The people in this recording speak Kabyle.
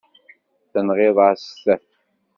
Tenɣiḍ-as-t.